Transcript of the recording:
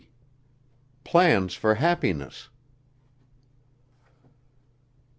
PLANS FOR HAPPINESS.